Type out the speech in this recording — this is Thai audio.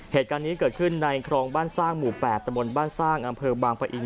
เหตุการณ์นี้เกิดขึ้นในครองบ้านสร้างหมู่๘ตะบนบ้านสร้างอำเภอบางปะอิน